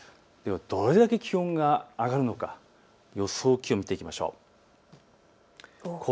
どれだけ気温が上がるのか、予想気温を見ていきましょう。